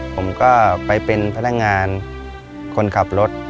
ผมก็ไปเป็นพนักงานคนขับรถ